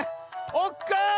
おっか！